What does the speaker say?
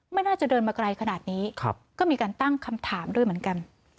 ไม่น่าจะเดินมาไกลขนาดนี้ก็มีการตั้งคำถามด้วยเหมือนกัน